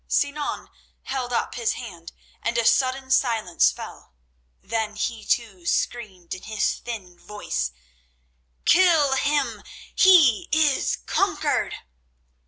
_" Sinan held up his hand, and a sudden silence fell. Then he, too, screamed in his thin voice: "Kill him! He is conquered!"